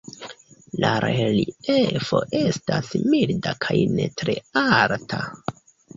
La reliefo estas milda kaj ne tre alta.